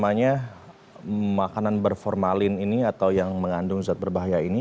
makanan berformalin ini atau yang mengandung zat berbahaya ini